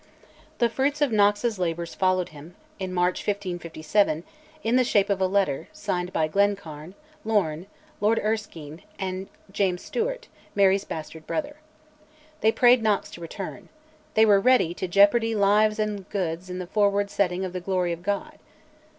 The fruits of Knox's labours followed him, in March 1557, in the shape of a letter, signed by Glencairn, Lorne, Lord Erskine, and James Stewart, Mary's bastard brother. They prayed Knox to return. They were ready "to jeopardy lives and goods in the forward setting of the glory of God."